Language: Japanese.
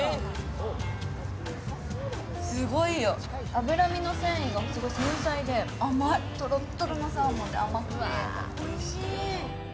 脂身の繊維がホント繊細で、とろっとろのサーモンで甘くて、おいしい。